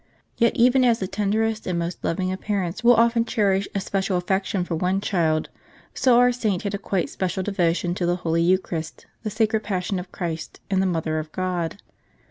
Yet even as the tenderest and most loving of parents will often cherish a special affection for one child, so our saint had a quite special devotion to the Holy Eucharist, the Sacred Passion of Christ, and the Mother of God.